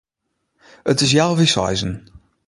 It is healwei seizen.